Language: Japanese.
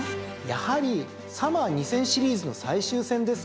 やはりサマー２０００シリーズの最終戦ですから。